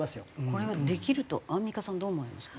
これはできるとアンミカさんどう思われますか？